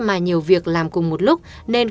mà nhiều việc làm cùng một lúc nên